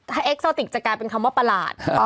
ถ้าเอ็กซาติกจะกลายเป็นคำว่าประหลาด